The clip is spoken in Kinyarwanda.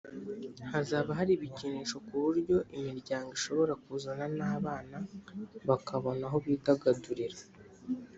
hazaba hari ibikinisho ku buryo imiryango ishobora kuzana n’abana bakabona aho bidagadurira